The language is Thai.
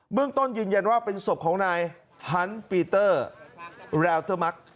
เมืองต้นยืนยันว่าเป็นศพของนายฮันต์ปีเตอร์แลวเตอร์มัก